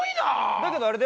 だけどあれだ